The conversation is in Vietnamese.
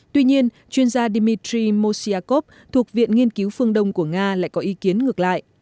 tuy nhiên chuyên gia dmitry mosyakov thuộc viện nghiên cứu phương đông của nga lại có ý kiến ngược lại